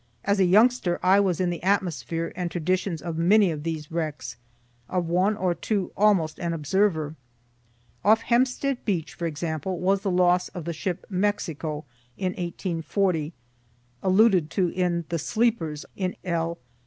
As a youngster, I was in the atmosphere and traditions of many of these wrecks of one or two almost an observer. Off Hempstead beach for example, was the loss of the ship "Mexico" in 1840, (alluded to in "the Sleepers" in L.